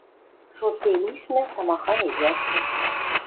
Шоссе лишнӹ тамаханьы йӓктӹ